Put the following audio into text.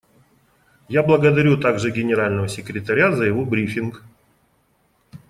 Я благодарю также Генерального секретаря за его брифинг.